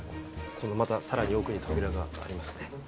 このまた更に奥に扉がありますね。